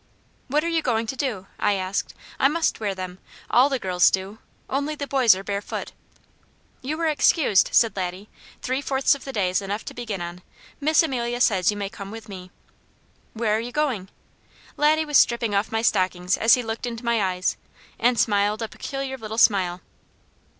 "What are you going to do?" I asked. "I must wear them. All the girls do. Only the boys are barefoot." "You are excused," answered Laddie. "Three fourths of the day is enough to begin on. Miss Amelia says you may come with me." "Where are you going?" Laddie was stripping off my stockings as he looked into my eyes, and smiled a peculiar little smile.